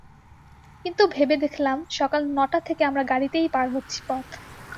কিন্তু ভেবে দেখলাম, সকাল নটা থেকে আমরা গাড়িতেই পার হচ্ছি পথ।